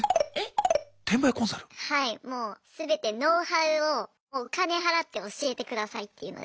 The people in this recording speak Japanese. もう全てノウハウをお金払って教えてくださいっていうので。